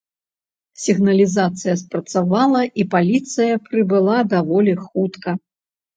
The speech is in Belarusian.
Сігналізацыя спрацавала, і паліцыя прыбыла даволі хутка.